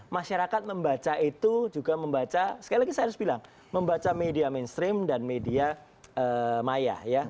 masyarakat membaca itu juga membaca sekali lagi saya harus bilang membaca media mainstream dan media maya